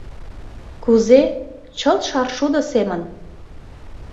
— Кузе? — Чылт шаршудо семын.